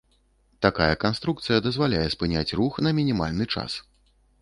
Такая канструкцыя дазваляе спыняць рух на мінімальны час.